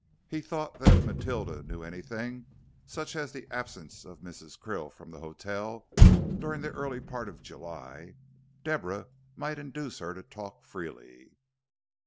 He thought that if Matilda knew anything such as the absence of Mrs. Krill from the hotel during the early part of July Deborah might induce her to talk freely.